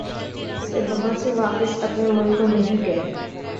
سے بہت سے واپس اپنے ملک کو نہیں گئے۔